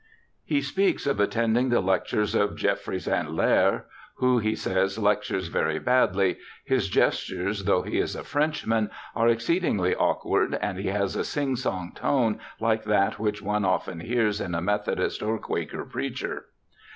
He speaks of attending the lectures of Geoffroy St. Hillaire, who, he says, ' lectures very badly ; his gestures, though he is a Frenchman, are exceedingly awkward, and he has a sing song tone like that which one often hears in a Methodist or Quaker preacher.'